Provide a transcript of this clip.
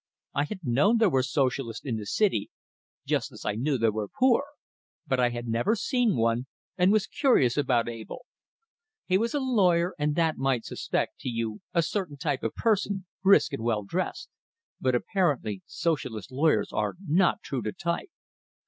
I had known there were Socialists in the city, just as I knew there were poor, but I had never seen one, and was curious about Abell. He was a lawyer; and that might suggest to you a certain type of person, brisk and well dressed but apparently Socialist lawyers are not true to type.